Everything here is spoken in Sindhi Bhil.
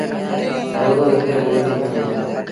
گھوڙو هڪڙي ڳوٺ ميݩ وهُڙو۔